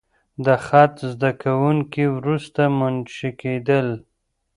د خط زده کوونکي وروسته منشي کېدل.